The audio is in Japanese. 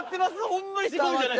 ほんまに仕込みじゃない！